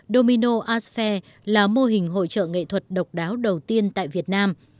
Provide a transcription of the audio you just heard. domino arts fair là mô hình hội trợ nghệ thuật độc đáo đầu tiên tại việt nam